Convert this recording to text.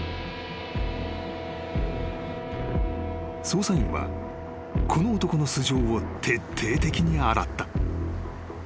［捜査員はこの男の素性を徹底的に洗った］